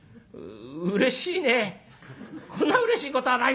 「うれしいねこんなうれしいことはないよ。